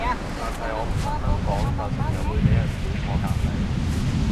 但係我唔特登講就成日會俾人估錯隔離